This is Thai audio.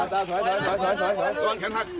สวยสวยสวยสวยสวยสวยสวย